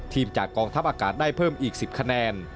จากกองทัพอากาศได้เพิ่มอีก๑๐คะแนน